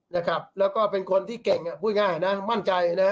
แล้วก็เป็นคนที่เก่งปูยง่ายนะมั่นใจ